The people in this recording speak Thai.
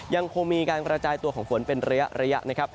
ยังคงมีการกระจายตัวของฝนเป็นระยะนะครับ